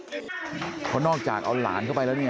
น้าสาวของน้าผู้ต้องหาเป็นยังไงไปดูนะครับ